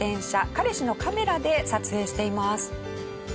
彼氏のカメラで撮影しています。